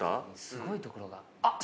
すごいところがあっ！